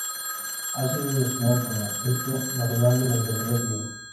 Ha sido designado como "Hito Nacional de la Ingeniería Civil".